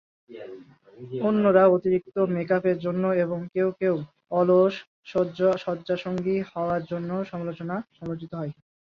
অন্যেরা অতিরিক্ত মেকআপের জন্য এবং কেউ কেউ "অলস শয্যাসঙ্গী" হওয়ার জন্য সমালোচিত হয়।